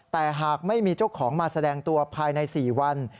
แต่หากไม่มีเจ้าของมาแสดงตัวภายใน๔วัน